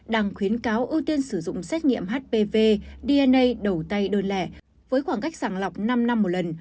đang khuyến cáo ưu tiên sử dụng xét nghiệm hpv dna đầu tay đôi lẻ với khoảng cách sàng lọc năm năm một lần